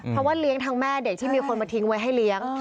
เพราะว่าเลี้ยงทั้งแม่เด็กที่มีคนมาทิ้งไว้ให้เลี้ยง